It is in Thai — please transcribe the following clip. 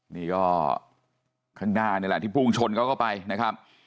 นี่ก็ข้างหน้านี่แหละที่พุ่งชนเขาก็ไปนะครับ